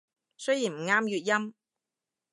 雖然唔啱粵音